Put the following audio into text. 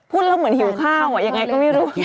พูดแล้วเหมือนหิวข้าวยังไงก็ไม่รู้